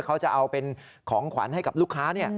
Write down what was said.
เขาจะเอาเป็นของขวัญให้กับลูกค้า